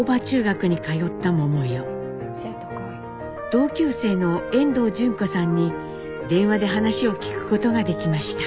同級生の遠藤順子さんに電話で話を聞くことができました。